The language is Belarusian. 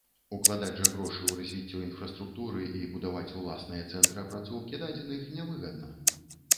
Укладаць жа грошы ў развіццё інфраструктуры і будаваць уласныя цэнтры апрацоўкі дадзеных нявыгадна.